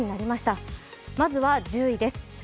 まずは１０位です。